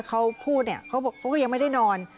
เขาพูดเนี่ยเขาก็ยังไม่ได้นอน